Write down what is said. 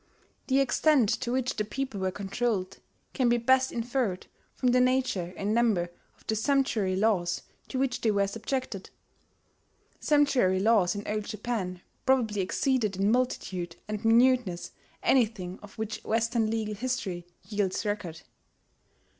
The extent to which the people were controlled can be best inferred from the nature and number of the sumptuary laws to which they were subjected. Sumptuary laws in Old Japan probably exceeded in multitude and minuteness anything of which Western legal history yields record.